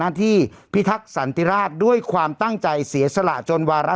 ที่พิทักษ์สันติราชด้วยความตั้งใจเสียสละจนวาระ